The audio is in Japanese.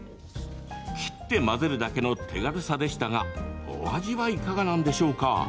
切って混ぜるだけの手軽さでしたがお味は、いかがなんでしょうか？